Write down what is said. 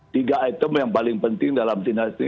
tiga item yang paling penting dalam sintiung ini